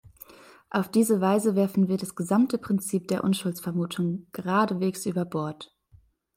Auf diese Weise werfen wir das gesamte Prinzip der Unschuldsvermutung geradewegs über Bord!